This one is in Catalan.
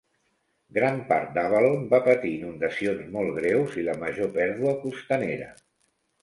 Gran part d'Avalon va patir inundacions molt greus i la major pèrdua costanera.